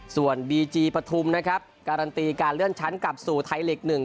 ส่วนบีจีปฐุมนะครับการันตีการเลื่อนชั้นกลับสู่ไทยลีก๑